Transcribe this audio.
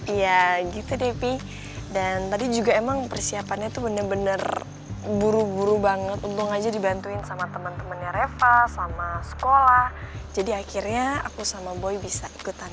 iya gitu depi dan tadi juga emang persiapannya tuh bener bener buru buru banget untung aja dibantuin sama teman temannya reva sama sekolah jadi akhirnya aku sama boy bisa ikutan